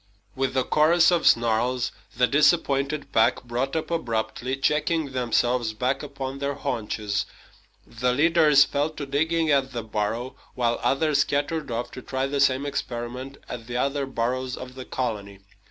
With a chorus of snarls, the disappointed pack brought up abruptly, checking themselves back upon their haunches. The leaders fell to digging at the burrow, while others scattered off to try the same experiment at the other burrows of the colony.